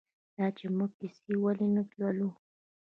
دا چې موږ کیسه ولې نه لولو؟